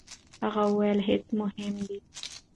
هغه وویل، هڅه مهمه ده.